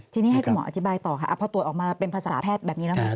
ทีนี้ให้คุณหมออธิบายต่อค่ะพอตรวจออกมาเป็นภาษาแพทย์แบบนี้แล้วค่ะ